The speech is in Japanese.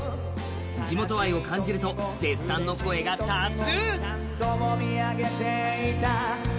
地元愛を感じると絶賛の声が多数。